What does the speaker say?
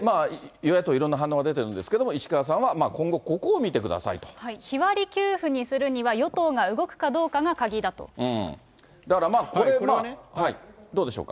与野党いろんな反応が出てるんですけど、石川さんは今後、こ日割り給付にするには与党がだからこれ、どうでしょうか。